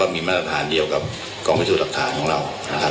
อันดับฐานเดียวกับกองวิสุทธิ์อันดับฐานของเรา